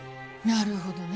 なるほどね。